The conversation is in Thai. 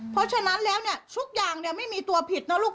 เพราะฉะนั้นแล้วเนี่ยทุกอย่างไม่มีตัวผิดนะลูก